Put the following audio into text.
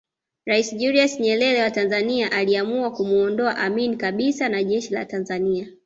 Rais Julius Nyerere wa Tanzania aliamua kumuondoa Amin kabisa na jeshi la Tanzania